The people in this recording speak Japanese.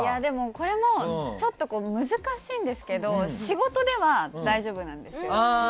これもちょっと難しいんですけど仕事では大丈夫なんですよ。